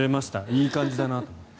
いい感じだなと思って。